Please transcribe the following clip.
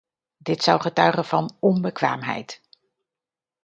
Dit zou getuigen van onbekwaamheid.